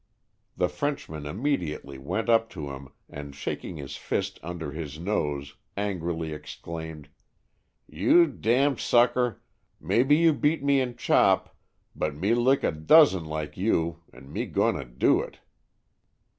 The Frenchman imme diately went up to him and shaking his fist under his nose angrily exclaimed: ''You d sucker, mebbe you beat me in chop, but me lick a dozen like you and me goin' to do it."